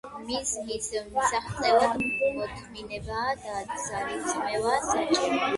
მიზნის მისაღწევად მოთმინება და ძალისხმევაა საჭირო